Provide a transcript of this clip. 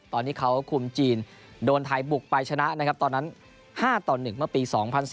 ตอนที่เขาคุมจีนโดนไทยบุกไปชนะนะครับตอนนั้น๕ต่อ๑เมื่อปี๒๐๑๙